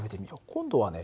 今度はね